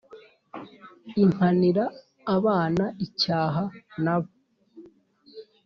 l Mpanira abana icyaha nabo